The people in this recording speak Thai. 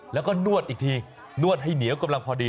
แล้วก็นวดอีกทีนวดให้เหนียวกำลังพอดี